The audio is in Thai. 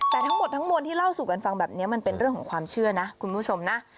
แต่ทั้งหมดทั้งมวลที่เล่าสู่กันฟังแบบนี้มันเป็นเรื่องของความเชื่อนะคุณผู้ชมนะ